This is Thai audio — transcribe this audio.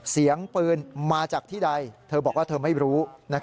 เสียงปืนมาจากที่ใดเธอบอกว่าเธอไม่รู้